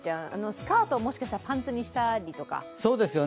スカートをもしかしたらパンツにしたりとか。